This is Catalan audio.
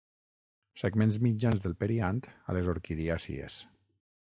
Segments mitjans del periant a les orquidiàcies.